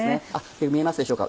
見えますでしょうか？